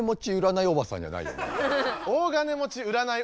大金持ち占い